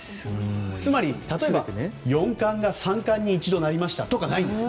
つまり、四冠が三冠に一度なりましたとかないんです。